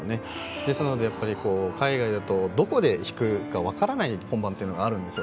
ですので、海外だとどこで弾くか分からない本番というのがあるんですよ。